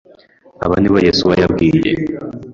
Aba ni bo Yesuwa yambwiye.